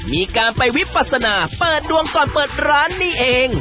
มีการไปวิปัสนาเปิดดวงก่อนเปิดร้านนี่เอง